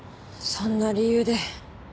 そんな理由で。